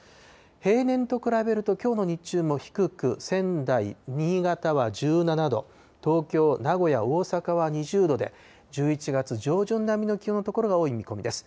平年と比べると、きょうの日中も低く、仙台、新潟は１７度、東京、名古屋、大阪は２０度で、１１月上旬並みの気温の所が多い見込みです。